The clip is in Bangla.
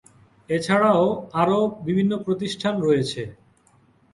এ ছাড়াও আরো বিভিন্ন প্রতিষ্ঠান রয়েছে।